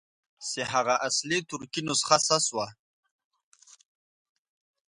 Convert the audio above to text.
چې هغه اصلي ترکي نسخه څه شوه.